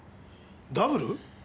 ダブル？